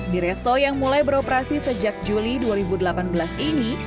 di resto yang mulai beroperasi sejak juli dua ribu delapan belas ini